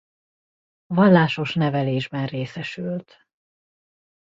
Vallásos nevelésben részesült.